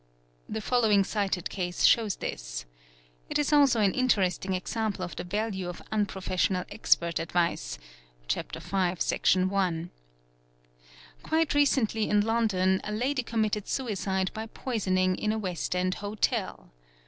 The following cited case shows this. It is also an interesting example of the value of unprofessional expert advice (Chap. V. Sec. i). — Quite recently in London a lady committed suicide by poisoning in a West — End Hotel.